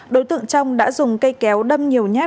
đối tượng trong đã dùng cây kéo đâm nhiều nhát